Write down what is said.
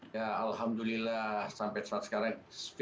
ya alhamdulillah sampai saat sekarang